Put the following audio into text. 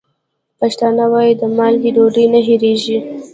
پښتانه وايي: د مالګې ډوډۍ نه هېرېږي.